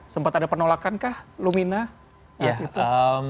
sempat ada penolakan kah lumina saat itu